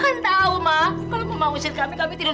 udah tenang dulu ya jangan gini dong